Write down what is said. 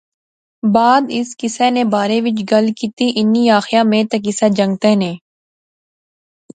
بعد اس کیسے نے بارے وچ گل کیتی۔ انیں آخیا میں تے کسے جنگتے نے